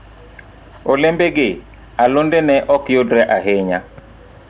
Olembe gi alode ne ok yudre ahinya.